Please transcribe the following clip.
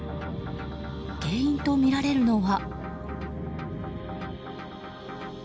原因とみられるのは。